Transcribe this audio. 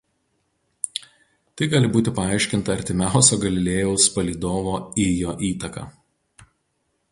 Tai gali būti paaiškinta artimiausio Galilėjaus palydovo Ijo įtaka.